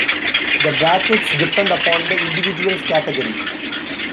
The brackets depend upon the individual's category.